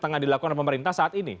tengah dilakukan oleh pemerintah saat ini